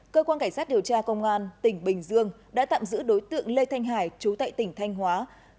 cơ quan cảnh sát điều tra công an tỉnh bình dương đã tạm giữ đối tượng lê thanh hải chú tại tỉnh thanh hóa